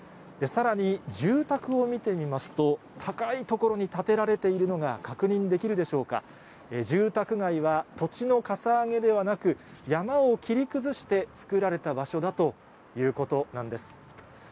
さらに、住宅を見てみますと、高い所に建てられているのが確認できるでしょうか、住宅街は土地のかさ上げではなく、山を切り崩して作られた場所だということなんです。